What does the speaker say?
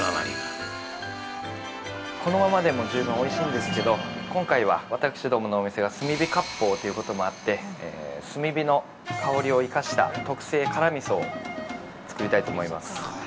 ◆このままでも十分おいしいんですけど、今回は、私どものお店が炭火割烹ということもあって炭火の香りを生かした特製辛みそを作りたいと思います。